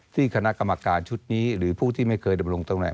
ที่คณะกรรมการชุดนี้หรือผู้ที่ไม่เคยเดิมลงตรงไหน